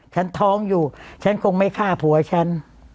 ฉันท้องอยู่ฉันคงไม่ฆ่าผัวฉัน